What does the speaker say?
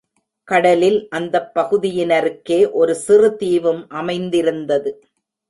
கடலில் அந்தப் பகுதியினருகே ஒரு சிறு தீவும் அமைந்திருந்தது.